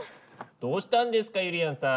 どうしたんですかゆりやんさん？